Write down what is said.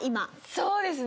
そうですね。